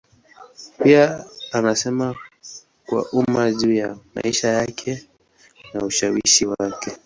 Pia anasema kwa umma juu ya maisha yake na ushawishi wake.